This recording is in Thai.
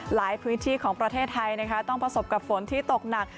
หลายพื้นที่ของประเทศไทยนะคะต้องประสบกับฝนที่ตกหนัก